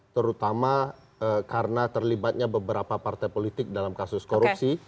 terutama karena terlibatnya beberapa partai politik dalam kasus korupsi